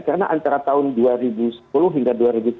karena antara tahun dua ribu sepuluh hingga dua ribu sembilan belas